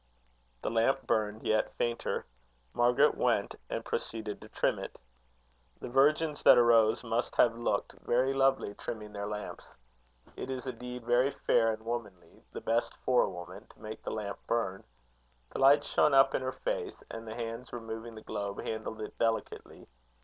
The lamp burned yet fainter. Margaret went, and proceeded to trim it. The virgins that arose must have looked very lovely, trimming their lamps. It is a deed very fair and womanly the best for a woman to make the lamp burn. The light shone up in her face, and the hands removing the globe handled it delicately.